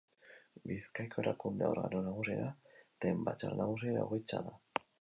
Bizkaiko erakunde organo nagusiena den Batzar Nagusien egoitza da.